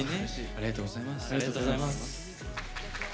ありがとうございます。